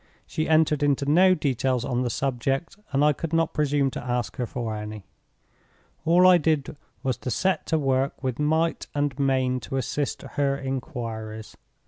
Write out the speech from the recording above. She entered into no details on the subject, and I could not presume to ask her for any. All I did was to set to work with might and main to assist her inquiries.